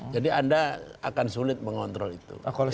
jadi anda akan sulit mengontrol itu